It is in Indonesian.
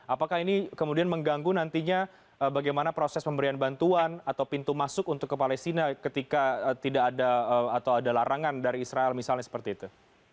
apakah ini kemudian mengganggu nantinya bagaimana proses pemberian bantuan atau pintu masuk untuk ke palestina ketika tidak ada atau ada larangan dari israel misalnya seperti itu